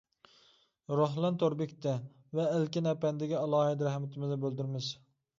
روھلان تور بېكىتى ۋە ئەلكىن ئەپەندىگە ئالاھىدە رەھمىتىمىزنى بىلدۈرىمىز.